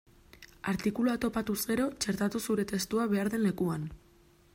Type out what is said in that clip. Artikulua topatuz gero, txertatu zure testua behar den lekuan.